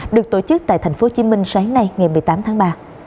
được tổ chức tại tp hcm sáng nay ngày một mươi tám tháng ba